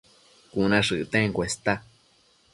Cuna shëcten cuesta